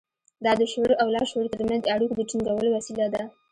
دا د شعور او لاشعور ترمنځ د اړيکو د ټينګولو وسيله ده.